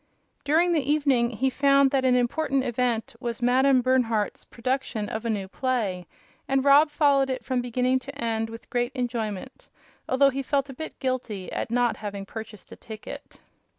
During the evening he found that an "important event" was Madame Bernhardt's production of a new play, and Rob followed it from beginning to end with great enjoyment, although he felt a bit guilty at not having purchased a ticket.